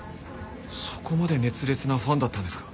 そこまで熱烈なファンだったんですか？